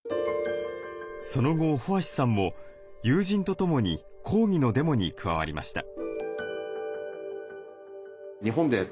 その後保芦さんも友人とともに抗議のデモに加わりました。